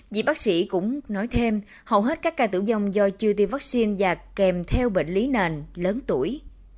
vì bác sĩ cũng nói thêm hầu hết các ca tử vong do chưa tiêm vaccine dạp kèm theo bệnh lý nền lớn tuổi